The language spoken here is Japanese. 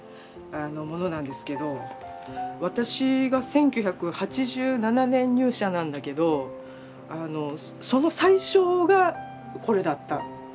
私が１９８７年入社なんだけどその最初がこれだったみたいなね何か。